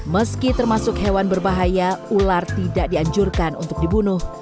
meski termasuk hewan berbahaya ular tidak dianjurkan untuk dibunuh